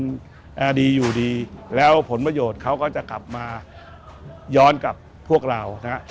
มันดีอยู่ดีแล้วผลประโยชน์เขาก็จะกลับมาย้อนกับพวกเรานะฮะ